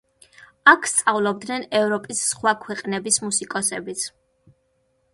აქ სწავლობდნენ ევროპის სხვა ქვეყნების მუსიკოსებიც.